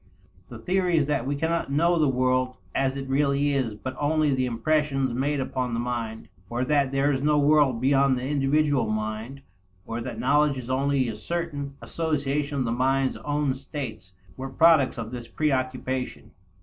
The theories that we cannot know the world as it really is but only the impressions made upon the mind, or that there is no world beyond the individual mind, or that knowledge is only a certain association of the mind's own states, were products of this preoccupation.